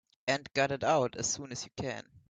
And got it out as soon as you can.